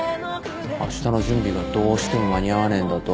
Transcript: あしたの準備がどうしても間に合わねえんだと。